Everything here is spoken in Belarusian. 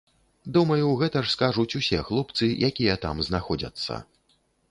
Думаю, гэта ж скажуць усе хлопцы, якія там знаходзяцца.